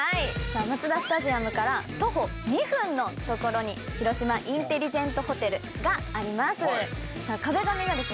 マツダスタジアムから徒歩２分の所に広島インテリジェントホテルがあります。